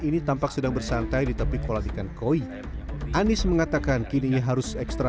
ini tampak sedang bersantai di tepi kolat ikan koi anies mengatakan kini harus ekstra